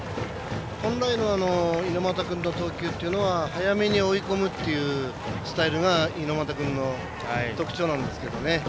本来の猪俣君の投球っていうのは早めに追い込むっていうスタイルが猪俣君の特徴なんですけどね。